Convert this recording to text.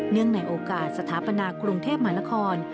เนื่องในโอกาสสถาปนากรุงเทพหมานคร